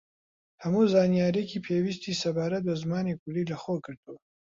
هەموو زانیارییەکی پێویستی سەبارەت بە زمانی کوردی لە خۆگرتووە